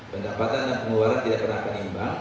pendapatan dan pengeluaran tidak pernah seimbang